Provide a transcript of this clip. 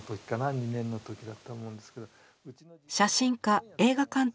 ２年の時だと思うんですけど。